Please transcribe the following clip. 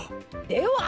では。